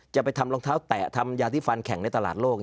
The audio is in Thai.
จะไปทำรองเท้าแตะทำยาที่ฟันแข่งในตลาดโลก